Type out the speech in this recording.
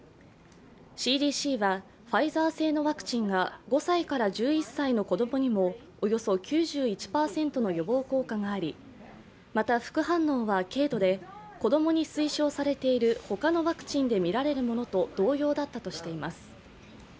ＣＤＣはファイザー製のワクチンが５歳から１１歳の子供にもおよそ９１％の予防効果がありまた副反応は軽度で、子供に推奨されている他のワクチンでみられるものと同様だったとしています。